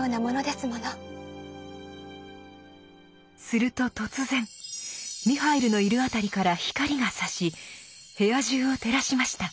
すると突然ミハイルのいる辺りから光がさし部屋中を照らしました。